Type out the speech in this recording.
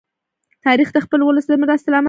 تاریخ د خپل ولس د مرستی لامل دی.